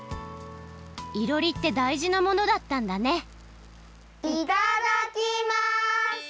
いろりってだいじなものだったんだねいただきます！